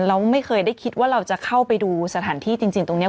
เราไม่เคยได้คิดว่าเราจะเข้าไปดูสถานที่จริงตรงนี้